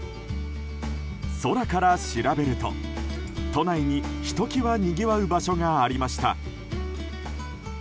空から調べると、都内にひときわにぎわう場所がありました。